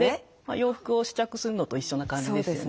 洋服を試着するのと一緒な感じですよね。